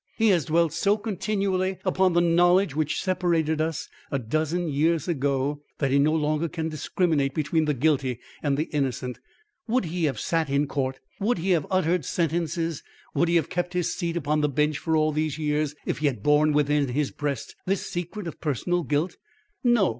He has dwelt so continually upon the knowledge which separated us a dozen years ago that he no longer can discriminate between the guilty and the innocent. Would he have sat in court; would he have uttered sentences; would he have kept his seat upon the bench for all these years, if he had borne within his breast this secret of personal guilt? No.